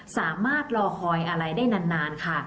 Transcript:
สามารถรอคอยอะไรได้นานค่ะ